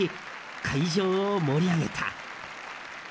会場を盛り上げた。